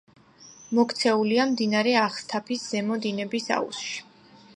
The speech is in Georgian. მოქცეულია მდინარე აღსთაფის ზემო დინების აუზში.